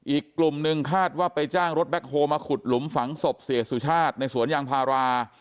อีกกลุ่มหนึ่งคาดว่าไปจ้างรถแบ็คโฮลมาขุดหลุมฝังศพเสียสุชาติในสวนยางพารา